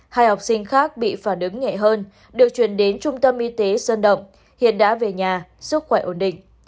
hai học sinh khác bị phản ứng nhẹ hơn được truyền đến trung tâm y tế sơn động hiện đã về nhà sức khỏe ổn định